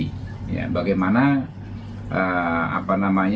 menurut saya bahwa antara para menteri dengan presiden harus ada kesamaan fisik